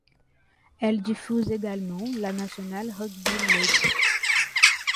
Elle diffuse également la National Rugby League.